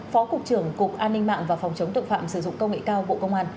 phó cục trưởng cục an ninh mạng và phòng chống tội phạm sử dụng công nghệ cao bộ công an